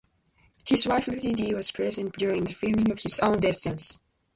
His wife Ruby Dee was present during the filming of his own death scene.